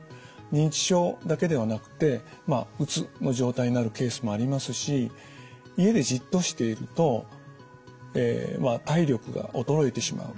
認知症だけではなくてうつの状態になるケースもありますし家でじっとしていると体力が衰えてしまう。